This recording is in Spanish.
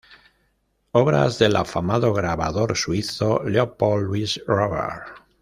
Obras del afamado grabador suizo, Leopold Luis Robert.